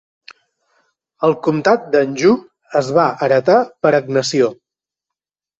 El comtat d'Anjou es va heretar per agnació.